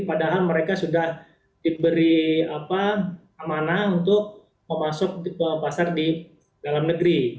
padahal mereka sudah diberi apa amanah untuk memasok ke pasar di dalam negeri